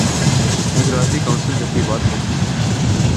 نظریاتی کونسل جب کوئی بات کہتی ہے۔